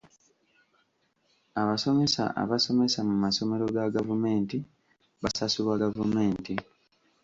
Abasomesa abasomesa mu masomero ga gavumenti basasulwa gavumenti.